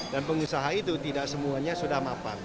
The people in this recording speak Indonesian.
dan pengusaha itu tidak semuanya sudah mapan